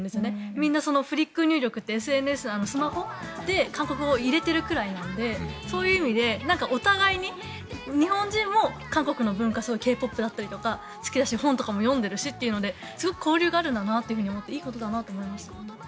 みんなフリック入力ってＳＮＳスマホで韓国語を入れてるぐらいなのでそういう意味でお互いに日本人も韓国の文化Ｋ−ＰＯＰだったりとか好きだし本とかも読んでるしということですごく交流があるんだなと思っていいことだなと思います。